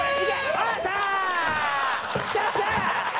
よっしゃー！